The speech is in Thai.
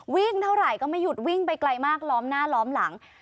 วิ่งเท่าไหร่ก็ไม่หยุดวิ่งไปไกลมากล้อมหน้าล้อมหลัง